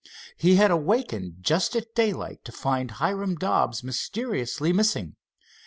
He had awakened just at daylight to find Hiram Dobbs mysteriously missing.